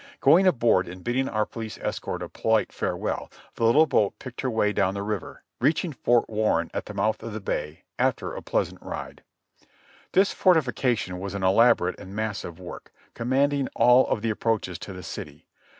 Going aboard and bidding our police escort a polite farewell, the little boat picked her way down the river, reaching Fort Warren, at the mouth of the Bay, after a pleasant ride. This fortification was an elaborate and massive work, com manding all of the approaches to the city.